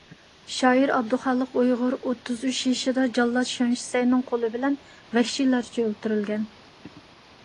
شائىر ئابدۇخالىق ئۇيغۇر ئوتتۇز ئۈچ يېشىدا جاللات شېڭ شىسەينىڭ قولى بىلەن ۋەھشىيلەرچە ئۆلتۈرۈلگەن.